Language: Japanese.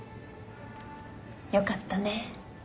よかったね。